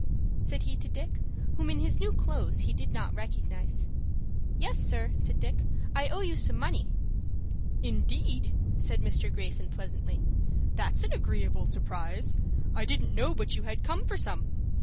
said he to Dick, whom in his new clothes he did not recognize. "Yes, sir," said Dick. "I owe you some money." "Indeed!" said Mr. Greyson, pleasantly; "that's an agreeable surprise. I didn't know but you had come for some.